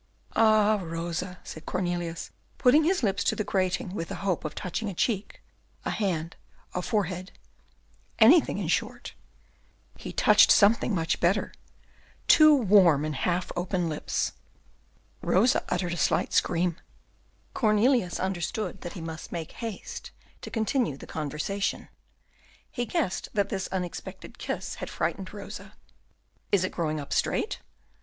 "Ah, Rosa!" said Cornelius, putting his lips to the grating with the hope of touching a cheek, a hand, a forehead, anything, in short. He touched something much better, two warm and half open lips. Rosa uttered a slight scream. Cornelius understood that he must make haste to continue the conversation. He guessed that this unexpected kiss had frightened Rosa. "Is it growing up straight?"